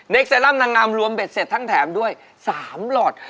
เซรั่มนางงามรวมเบ็ดเสร็จทั้งแถมด้วย๓หลอด